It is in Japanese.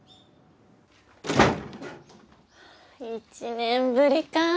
１年ぶりかあ。